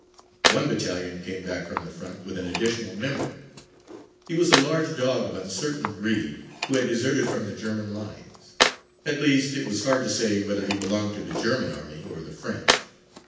One battalion came back from the front with an additional member. He was a large dog of uncertain breed who had deserted from the German lines. At least it was hard to say whether he belonged to the German army or the French.